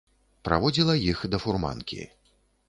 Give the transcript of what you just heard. Праводзіла іх да фурманкі.